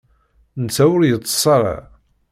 Netta ur yettess ara.